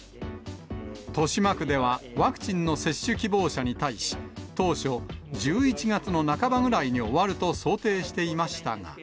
豊島区ではワクチンの接種希望者に対し、当初、１１月の半ばぐらいに終わると想定していましたが。